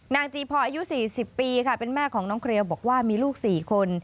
จีพออายุ๔๐ปีค่ะเป็นแม่ของน้องเครียวบอกว่ามีลูก๔คน